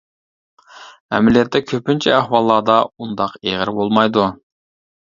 ئەمەلىيەتتە كۆپىنچە ئەھۋاللاردا ئۇنداق ئېغىر بولمايدۇ.